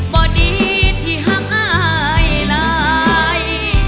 บ่ดีที่หักอายหลาย